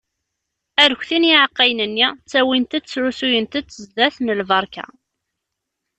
Arekti n yiεeqqayen-nni, ttawint-t srusayent-t sdat n lberka.